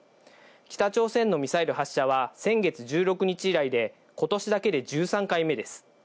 北朝鮮のミサイル発射は、先月１６日以来で、ことしだけで１３回目です。